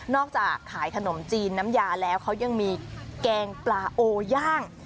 จากขายขนมจีนน้ำยาแล้วเขายังมีแกงปลาโอย่าง